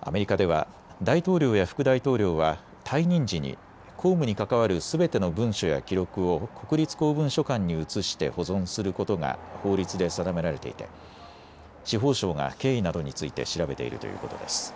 アメリカでは大統領や副大統領は退任時に公務に関わるすべての文書や記録を国立公文書館に移して保存することが法律で定められていて司法省が経緯などについて調べているということです。